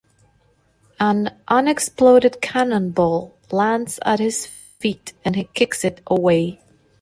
An unexploded cannonball lands at his feet and he kicks it away.